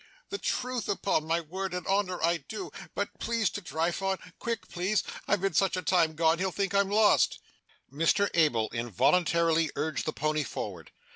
'The truth, upon my word and honour I do. But please to drive on quick, please! I've been such a time gone, he'll think I'm lost.' Mr Abel involuntarily urged the pony forward.